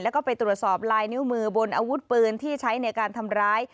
แล้วก็ไปตรวจสอบลายนิ้วมือบนอาวุธปืนที่ใช้ในการทำร้าย